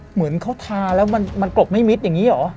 เหมือนเขาทาแล้วมันกลบไม่มิดอย่างนี้เหรอ